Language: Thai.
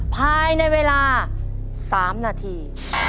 ภายในเวลา๓นาที